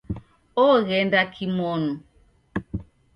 Ogh'ende kimonu